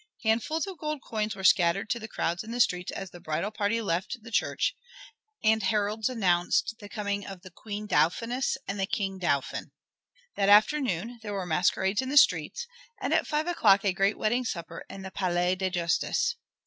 Handfuls of gold coins were scattered to the crowds in the streets as the bridal party left the church, and heralds announced the coming of the "Queen Dauphiness," and the "King Dauphin." That afternoon there were masquerades in the streets, and at five o'clock a great wedding supper in the Palais de Justice.